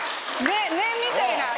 念みたいな。